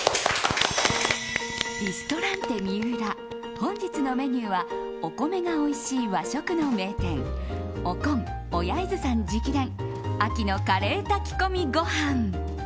リストランテＭＩＵＲＡ本日のメニューはお米がおいしい和食の名店おこん、小柳津さん直伝秋のカレー炊き込みご飯。